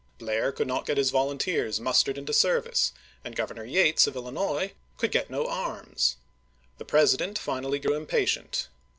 Blair could not get his volunteers mustered into service, and Governor Yates of Illinois could get no arms. The President finally grew impatient.